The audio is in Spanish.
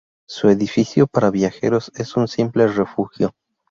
Su edificio para viajeros es un simple refugio.